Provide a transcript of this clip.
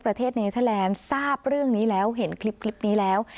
ประเทศเนเทอร์แลนด์ทราบเรื่องนี้แล้วเห็นคลิปนี้แล้ว